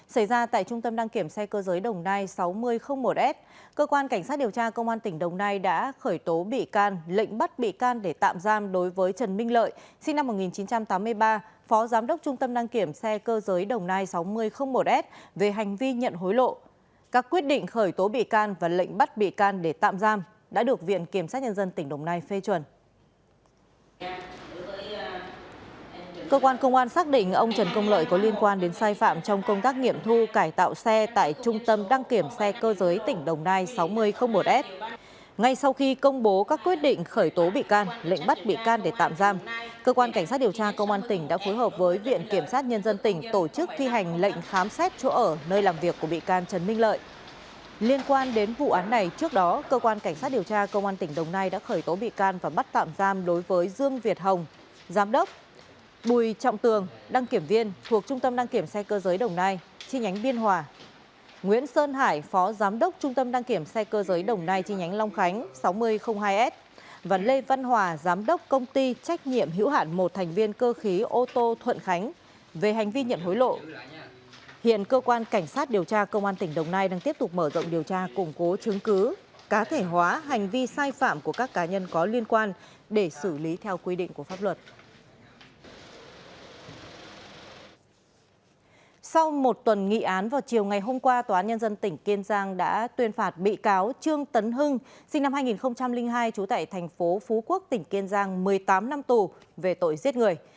sau một tuần nghị án vào chiều ngày hôm qua tòa án nhân dân tỉnh kiên giang đã tuyên phạt bị cáo trương tấn hưng sinh năm hai nghìn hai trú tại thành phố phú quốc tỉnh kiên giang một mươi tám năm tù về tội giết người